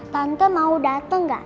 tante mau dateng gak